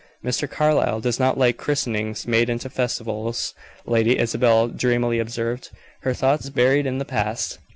"Mr. Carlyle does not like christenings made into festivals," Lady Isabel dreamily observed, her thoughts buried in the past.